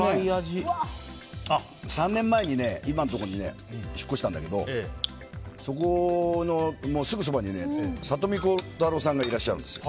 ３年前に、今のところに引っ越したんだけどそこのすぐそばに里見浩太朗さんがいらっしゃるんですよ。